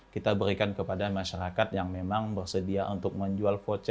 kita berikan kepada masyarakat yang memang bersedia untuk menjual voucher